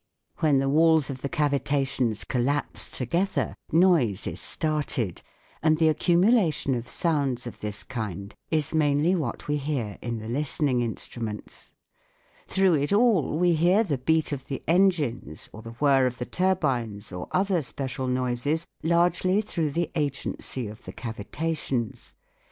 When the walls of the cavitations collapse together, noise is started ; and the accumulation of sounds of this kind is mainly what we hear in the listening in struments. Through it all we hear the beat of the engines or the whirr of the turbines or other special noises, largely through the agency of the i;2 THE WORLD OF SOUND cavitations.